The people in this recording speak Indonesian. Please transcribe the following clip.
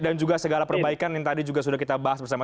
dan juga segala perbaikan yang tadi juga sudah kita bahas bersama